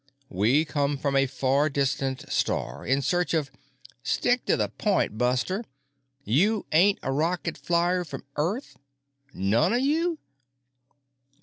"We come from a far distant star in search of——" "Stick to the point, Buster. You ain't a rocket flyer from Earth? None of you?"